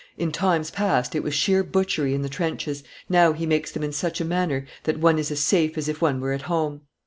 "In times past it was sheer butchery in the trenches, now he makes them in such a manner that one is as safe as if one were at home."